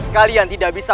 kalian tidak bisa